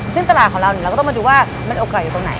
ซึ่งตลาดของเราเราก็ต้องมาดูว่ามันโอกาสอยู่ตรงไหน